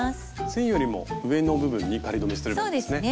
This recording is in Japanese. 線よりも上の部分に仮留めしてればいいんですね。